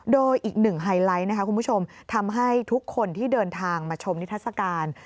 โดยอีกหนึ่งไฮไลท์นะคะคุณผู้ชมทำให้ทุกคนที่เดินทางมาชมนิทัศกาล